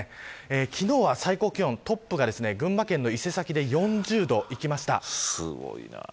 昨日は最高気温トップが群馬県の伊勢崎で４０度いきました。